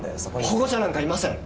保護者なんかいません！